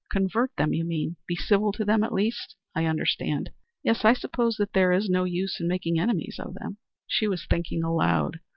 Convert them you mean? Be civil to them at least? I understand. Yes, I suppose there is no use in making enemies of them." She was thinking aloud.